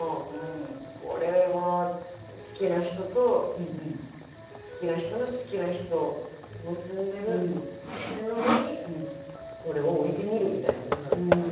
これは好きな人と好きな人の好きな人を結んでる直線の上に俺を置いてみるみたいなことなんですかね。